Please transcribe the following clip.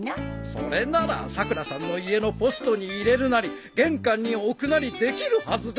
それならさくらさんの家のポストに入れるなり玄関に置くなりできるはずです。